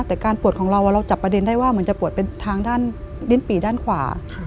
แต่การปวดของเราเราจับประเด็นได้ว่าเหมือนจะปวดเป็นทางด้านดิ้นปี่ด้านขวา